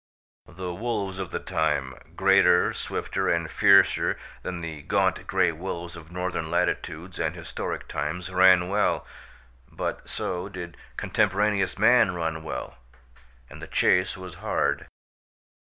The wolves of the time, greater, swifter and fiercer than the gaunt gray wolves of northern latitudes and historic times, ran well, but so did contemporaneous man run well, and the chase was hard.